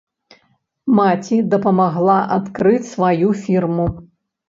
Маці дапамагла адкрыць сваю фірму.